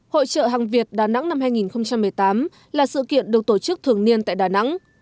hội trợ hàng việt đà nẵng năm hai nghìn một mươi tám là sự kiện được tổ chức thường niên tại đà nẵng